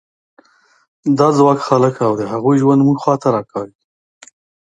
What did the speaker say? دا ځواک خلک او د هغوی ژوند موږ خوا ته راکاږي.